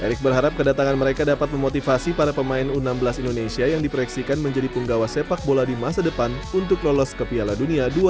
erick berharap kedatangan mereka dapat memotivasi para pemain u enam belas indonesia yang diproyeksikan menjadi penggawa sepak bola di masa depan untuk lolos ke piala dunia dua ribu dua puluh